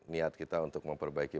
niat kita untuk memperbaiki